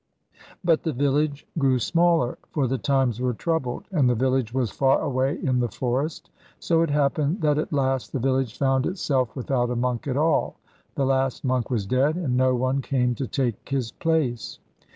But the village grew smaller, for the times were troubled, and the village was far away in the forest. So it happened that at last the village found itself without a monk at all: the last monk was dead, and no one came to take his place.